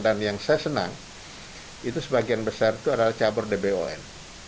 dan yang saya senang itu sebagian besar itu adalah cabar dbon